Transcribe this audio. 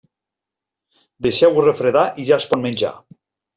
Deixeu-ho refredar i ja es pot menjar.